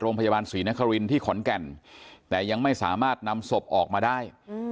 โรงพยาบาลศรีนครินที่ขอนแก่นแต่ยังไม่สามารถนำศพออกมาได้